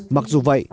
mặc dù vậy